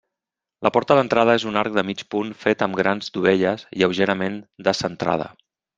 La porta d'entrada és un arc de mig punt fet amb grans dovelles, lleugerament descentrada.